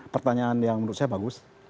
pertanyaan yang menurut saya bagus